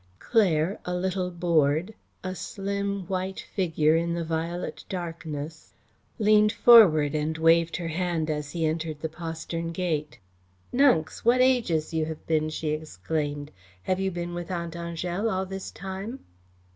Claire, a little bored, a slim, white figure in the violet darkness, leaned forward and waved her hand as he entered the postern gate. "Nunks, what ages you have been!" she exclaimed. "Have you been with Aunt Angèle all this time?"